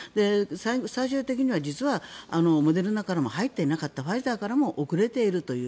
最終的には実はモデルナからも入ってなかったファイザーからも遅れているという。